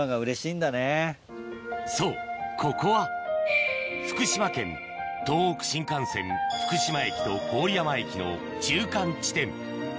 そうここは福島県東北新幹線福島駅と郡山駅の中間地点